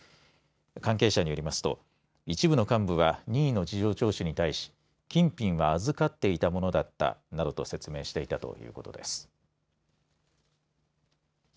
関係者によりますと一部の幹部は任意の事情聴取に対し、金品は預かっていたものだったなどと説明していたということです。